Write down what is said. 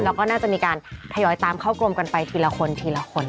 แล้วก็น่าจะมีการทยอยตามเข้ากรมกันไปทีละคนทีละคน